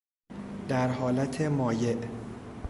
در حالت مایع